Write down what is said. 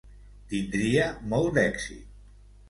Tindria molt d'èxit.